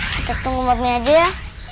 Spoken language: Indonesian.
kita tunggu mampir aja ya